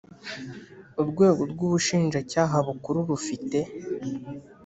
Urwego rw Ubushinjacyaha Bukuru rufite